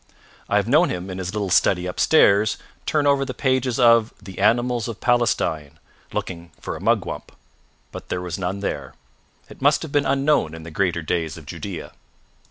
I have known him, in his little study upstairs, turn over the pages of the "Animals of Palestine," looking for a mugwump. But there was none there. It must have been unknown in the greater days of Judea.